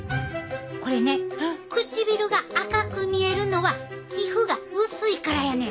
これね唇が赤く見えるのは皮膚が薄いからやねん！